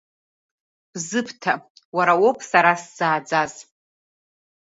Бзыԥҭа, уара уоуп сара сзааӡаз…